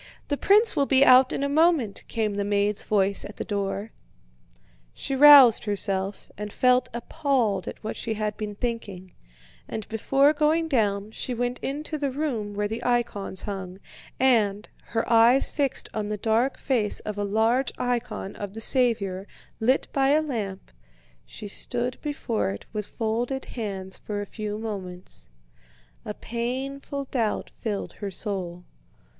The prince will be out in a moment," came the maid's voice at the door. She roused herself, and felt appalled at what she had been thinking, and before going down she went into the room where the icons hung and, her eyes fixed on the dark face of a large icon of the Saviour lit by a lamp, she stood before it with folded hands for a few moments. A painful doubt filled her soul.